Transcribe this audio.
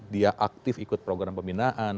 dia aktif ikut program pembinaan